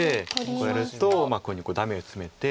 こうやるとこういうふうにダメをツメて。